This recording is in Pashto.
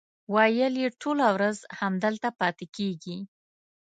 ویل یې ټوله ورځ همدلته پاتې کېږي.